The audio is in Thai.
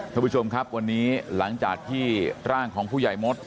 ท่านผู้ชมครับวันนี้หลังจากที่ร่างของผู้ใหญ่มด